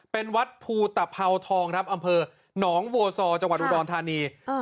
เป็นวัดภูตภาวทองครับอำเภอหนองโวซอจังหวัดอุดรธานี